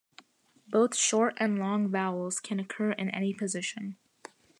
Both short and long vowels can occur in any position.